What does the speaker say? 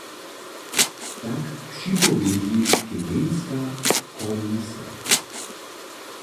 Tak připowědźi gmejnska komornica.